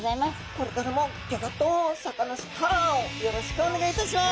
これからも「ギョギョッとサカナ★スター」をよろしくお願いいたします。